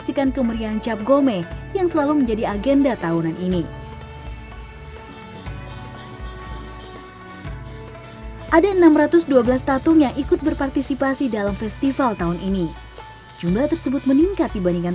soperangkat peralatan ritual sudah disiapkan